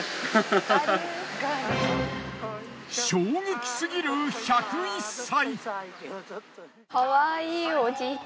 衝撃すぎる１０１歳。